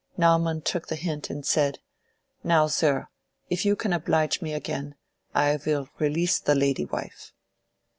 Naumann took the hint and said— "Now, sir, if you can oblige me again; I will release the lady wife."